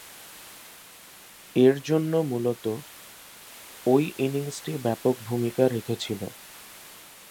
এরজন্য মূলতঃ ঐ ইনিংসটি ব্যাপক ভূমিকা রেখেছিল।